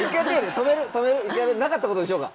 止める？なかったことにしようか？